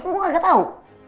kan gue kagak tau